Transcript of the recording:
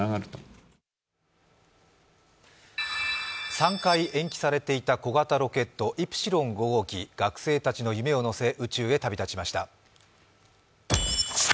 ３回延期されていた小型ロケット、イプシロン５号機が学生たちの夢を乗せ宇宙へ旅立ちました。